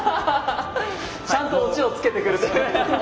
ちゃんとオチを付けてくれてる。